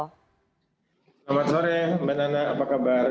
selamat sore mbak nana apa kabar